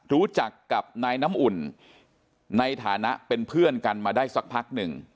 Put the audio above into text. รู้จักกับนายน้ำอุ่นในฐานะเป็นเพื่อนกันมาได้สักพักหนึ่ง